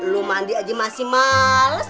lu mandi aja masih males